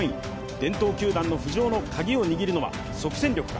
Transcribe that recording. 伝統球団の浮上のカギを握るのは即戦力か。